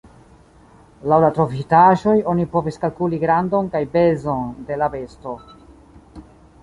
Laŭ la trovitaĵoj oni povis kalkuli grandon kaj pezon de la besto.